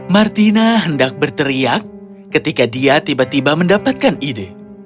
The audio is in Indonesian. martina hendak berteriak ketika dia tiba tiba mendapatkan ide